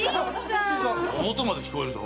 表まで聞こえるぞ。